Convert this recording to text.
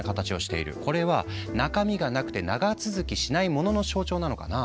これは中身がなくて長続きしないものの象徴なのかな。